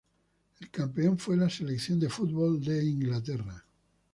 El campeón fue la selección de fútbol de Inglaterra.